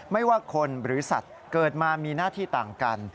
ไม่ว่าคนหรือสัตว์เกิดมามีหน้าที่ต่างกัน